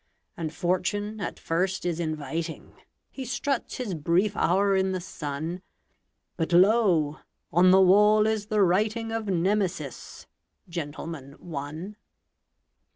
And fortune at first is inviting He struts his brief hour in the sun But, lo! on the wall is the writing Of Nemesis, "Gentleman, One".